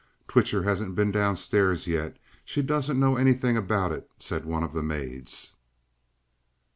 "Twitcher hasn't bin downstairs yet. She doesn't know anything about it," said one of the maids.